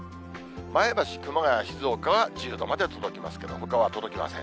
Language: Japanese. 前橋、熊谷、静岡は１０度まで届きますが、ほかは届きません。